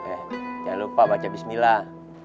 eh jangan lupa baca bismillah